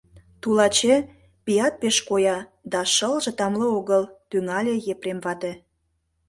— Тулаче, пият пеш коя, да шылже тамле огыл, — тӱҥале Епрем вате.